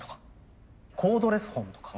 コードレスフォンとか。